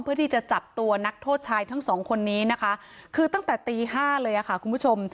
เพื่อที่จะจับตัวนักโทษชายทั้งสองคนนี้นะคะคือตั้งแต่ตี๕เลยค่ะคุณผู้ชม